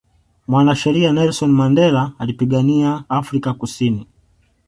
mwanasheria nelson mandela alipigania Afrika kusini